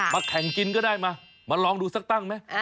แข่งกินก็ได้มามาลองดูสักตั้งไหม